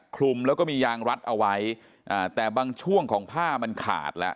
คลุมแล้วก็มียางรัดเอาไว้อ่าแต่บางช่วงของผ้ามันขาดแล้ว